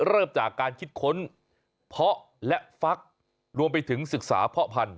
เริ่มจากการคิดค้นเพาะและฟักรวมไปถึงศึกษาเพาะพันธ